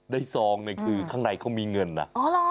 ได้ซองคือข้างในเขามีเงินนะ